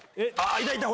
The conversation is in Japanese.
いたいた！